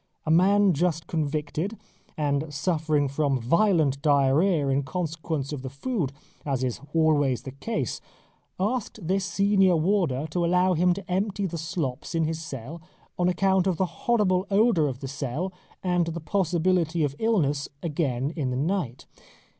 A man just convicted, and suffering from violent diarrhoea in consequence of the food, as is always the case, asked this senior warder to allow him to empty the slops in his cell on account of the horrible odour of the cell and the possibility of illness again in the night.